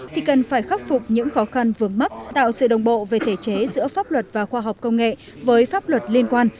thì cần phải khắc phục những khó khăn vướng mắc tạo sự đồng bộ về thể chế giữa pháp luật và khoa học công nghệ với pháp luật liên quan